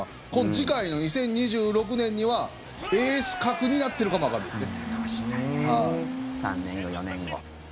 次回の２０２６年にはエース格になっているかも３年後、４年後。